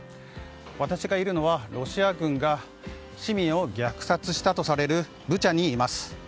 私がいるのはロシア軍が市民を虐殺したとされるブチャにいます。